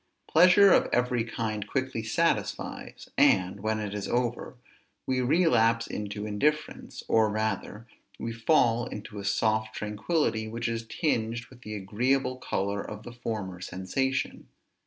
Pleasure of every kind quickly satisfies; and, when it is over, we relapse into indifference, or, rather, we fall into a soft tranquillity which is tinged with the agreeable color of the former sensation.